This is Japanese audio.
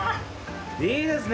いいですね